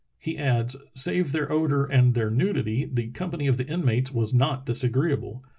[He adds:] Save their odor and their nudity, the company of the inmates was not disagreeable.